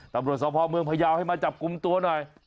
ตำรวจสภเมืองพยาวให้มาจับกลุ่มตัวหน่อย